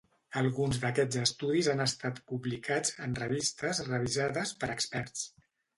Alguns d'aquests estudis han estat publicats en revistes revisades per experts.